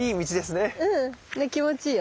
ね気持ちいいよね。